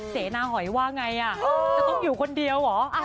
เสนาหอยว่าไงจะต้องอยู่คนเดียวเหรอ